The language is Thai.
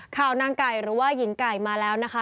ข่าวนางไก่หรือว่าหญิงไก่มาแล้วนะคะ